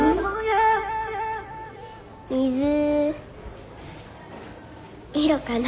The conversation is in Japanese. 水色かな。